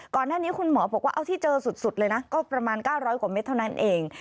ก่อนหน้านี้คุณหมอบอกว่าเอาที่เจอสุดเลยนะก็ประมาณ๙๐๐กว่าเมตรเท่านั้นเอง